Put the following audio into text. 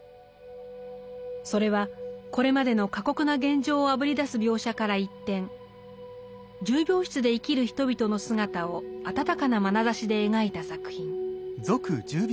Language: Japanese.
それはこれまでの過酷な現状をあぶり出す描写から一転重病室で生きる人々の姿を温かなまなざしで描いた作品。